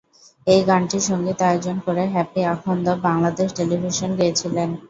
এই গানটির সংগীত আয়োজন করে হ্যাপি আখন্দ বাংলাদেশ টেলিভিশনে গেয়েছিলেন।